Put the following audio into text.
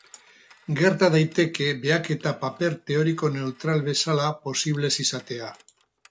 Gerta daiteke behaketa paper teoriko neutral bezala posible ez izatea.